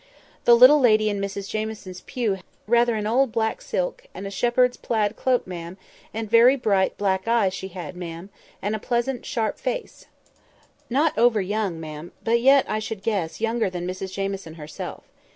"The little lady in Mrs Jamieson's pew had on, ma'am, rather an old black silk, and a shepherd's plaid cloak, ma'am, and very bright black eyes she had, ma'am, and a pleasant, sharp face; not over young, ma'am, but yet, I should guess, younger than Mrs Jamieson herself.